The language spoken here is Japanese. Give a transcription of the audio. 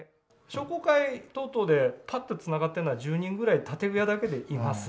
商工会等々でパッとつながってんのは１０人ぐらい建具屋だけでいます。